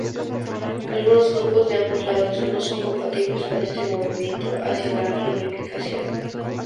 Algunos grupos de ambos lados no son compatibles con este movimiento hacia la reunificación.